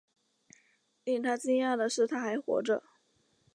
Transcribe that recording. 令他讶异的是她还活着